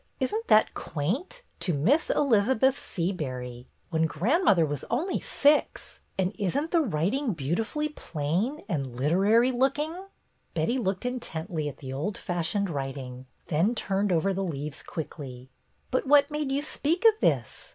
"Is n't that quaint, — 'To Miss Elizabeth Seabury,' when grandmother was only six ! And is n't the writing beautifully plain ! And literary looking !" Betty looked intently at the old fashioned writing, then turned over the leaves quickly. "But what made you speak of this?"